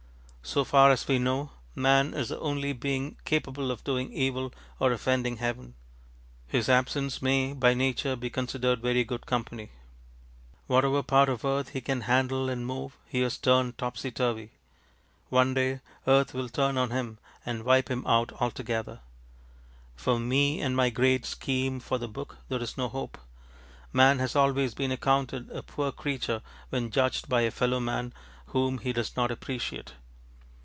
So far as we know man is the only being capable of doing evil or offending heaven. His absence may by nature be considered very good company. Whatever part of earth he can handle and move he has turned topsy turvy. One day earth will turn on him and wipe him out altogether. For me and my great scheme for the book there is no hope. Man has always been accounted a poor creature when judged by a fellow man whom he does not appreciate.